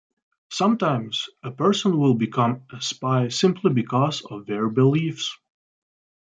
Sometimes, a person will become a spy simply because of their beliefs.